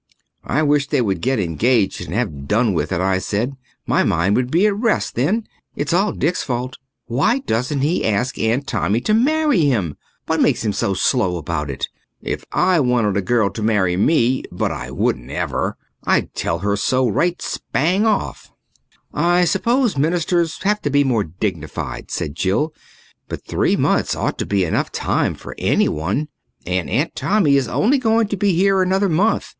"I wish they would get engaged and have done with it," I said. "My mind would be at rest then. It's all Dick's fault. Why doesn't he ask Aunt Tommy to marry him? What's making him so slow about it? If I wanted a girl to marry me but I wouldn't ever I'd tell her so right spang off." "I suppose ministers have to be more dignified," said Jill, "but three months ought to be enough time for anyone. And Aunt Tommy is only going to be here another month.